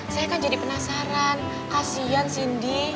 saya kan jadi penasaran kasian cindy